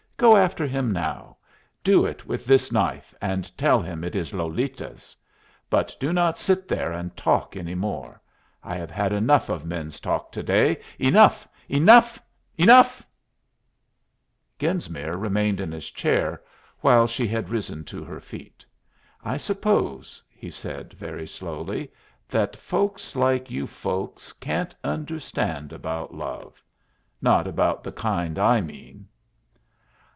Go after him now! Do it with this knife, and tell him it is Lolita's. But do not sit there and talk any more. I have had enough of men's talk to day. Enough, enough, enough!" Genesmere remained in his chair, while she had risen to her feet. "I suppose," he said, very slowly, "that folks like you folks can't understand about love not about the kind I mean."